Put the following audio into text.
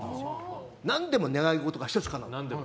何でも願い事が１つかなう。